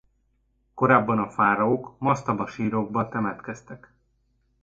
Korábban a fáraók masztabasírokba temetkeztek.